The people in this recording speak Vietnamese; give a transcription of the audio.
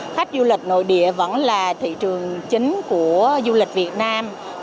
khách du lịch nội địa vẫn là thị trường chính của du lịch việt nam